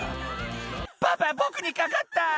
「パパ僕にかかった！」